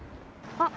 あっ！